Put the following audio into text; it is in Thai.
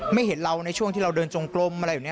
เห็นเราในช่วงที่เราเดินจงกลมอะไรแบบนี้